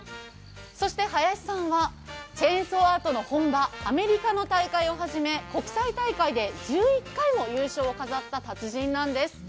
そして、林さんはチェーンソーアートの本場アメリカや国際大会で１１回も優勝を飾った達人なんです。